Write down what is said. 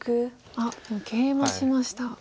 あっケイマしました。